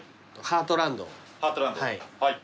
ハートランドはい。